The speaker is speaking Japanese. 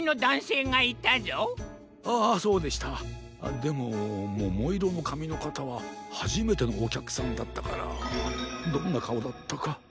でもももいろのかみのかたははじめてのおきゃくさんだったからどんなかおだったか。